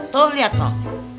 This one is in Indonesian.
tuh liat tuh